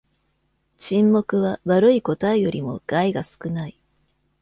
沈黙は悪い答えよりも害が少ない。